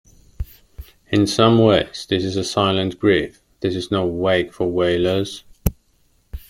In some ways this is a silent grief, this is no wake for wailers.